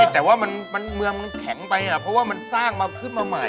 แต่ว่าเมืองมันแข็งไปเพราะว่ามันสร้างมาขึ้นมาใหม่